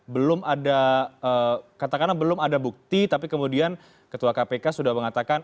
belum ada katakanlah belum ada bukti tapi kemudian ketua kpk sudah mengatakan